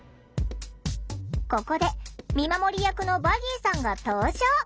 ここで見守り役のヴァギーさんが登場。